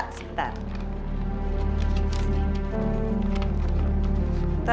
kami ingin kerja dengan bu gita